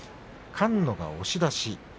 菅野が押し出し。